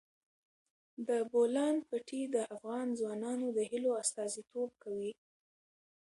د بولان پټي د افغان ځوانانو د هیلو استازیتوب کوي.